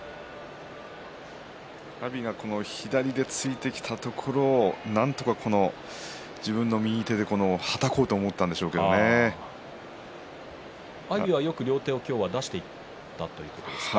阿炎が左で突いてきたところをなんとか自分の右手ではたこうと阿炎は両手をよく出していったということですか。